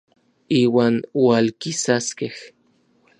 Iuan ualkisaskej.